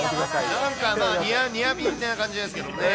なんかニアピンな感じですけどね。